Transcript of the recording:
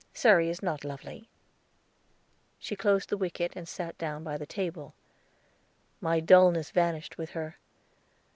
Surrey is not lovely." She closed the wicket, and sat down by the table. My dullness vanished with her.